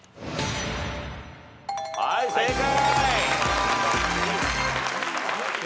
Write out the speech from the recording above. はい正解。